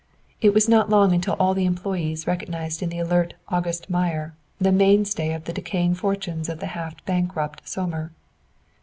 It was not long until all the employees recognized in the alert "August Meyer" the mainstay of the decaying fortunes of the half bankrupt Sohmer.